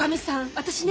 私ね。